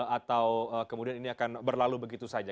atau kemudian ini akan berlalu begitu saja